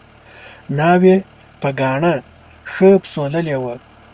ناوې په ګاڼه ښه پسوللې وه